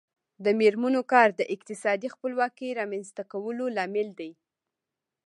د میرمنو کار د اقتصادي خپلواکۍ رامنځته کولو لامل دی.